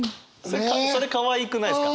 それかわいくないですか？